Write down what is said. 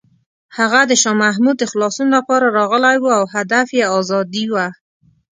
هغه د شاه محمود د خلاصون لپاره راغلی و او هدف یې ازادي وه.